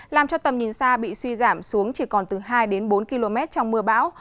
làm cho tầm nhìn xa bị suy giảm xuống chỉ còn từ hai đến bốn km trong mưa bão